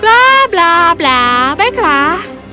bla bla bla baiklah